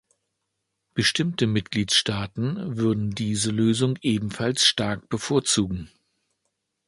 Bestimmte Mitgliedstaaten würden diese Lösung ebenfalls stark bevorzugen.